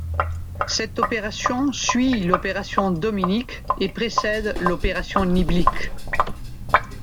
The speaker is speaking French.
Cette opération suit l'opération Dominic et précède l'opération Niblick.